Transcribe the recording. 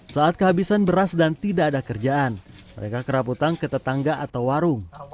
saat kehabisan beras dan tidak ada kerjaan mereka keraputan ke tetangga atau warung